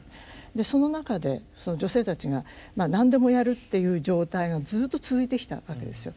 でその中で女性たちが何でもやるっていう状態がずっと続いてきたわけですよ。